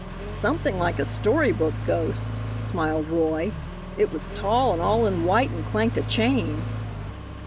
"Something like a story book ghost," smiled Roy; "it was tall and all in white and clanked a chain."